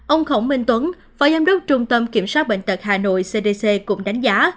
ông khổng minh tuấn phó giám đốc trung tâm kiểm soát bệnh tật hà nội cdc cũng đánh giá